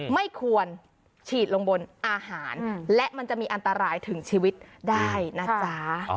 ไม่ควรฉีดลงบนอาหารและมันจะมีอันตรายถึงชีวิตได้นะจ๊ะ